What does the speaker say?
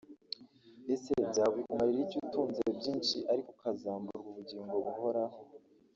Ese byakumarira iki utunze byinshi ariko ukazamburwa ubugingo buhoraho